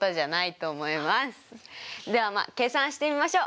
ではまあ計算してみましょう！